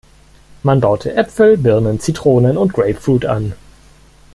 Man baute Äpfel, Birnen, Zitronen und Grapefruit an.